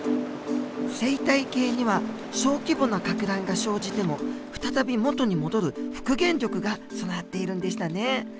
生態系には小規模なかく乱が生じても再び元に戻る復元力が備わっているんでしたね。